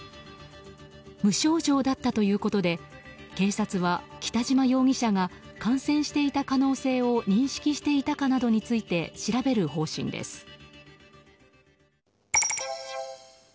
無症状だったということで警察は感染していた可能性を認識していたかについて調べる方針です。